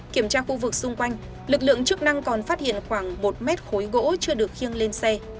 kiểm tra khu vực xung quanh lực lượng chức năng còn phát hiện khoảng một mét khối gỗ chưa được khiêng lên xe